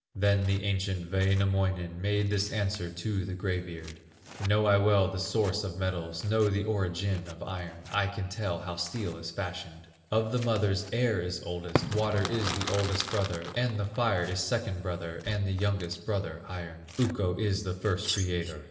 Then the ancient Wainamoinen Made this answer to the gray beard: "Know I well the source of metals, Know the origin of iron; I can tell bow steel is fashioned. Of the mothers air is oldest, Water is the oldest brother, And the fire is second brother, And the youngest brother, iron; Ukko is the first creator.